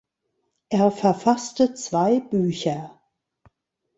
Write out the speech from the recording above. Er verfasste zwei Bücher.